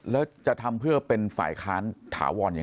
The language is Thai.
แล้วจะทำเพื่อเป็นฝ่ายค้านถาวรยังไง